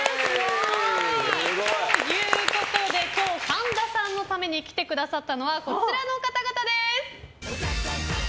今日神田さんのために来てくださったのはこちらの方々です！